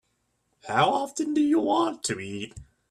How often do you want to eat?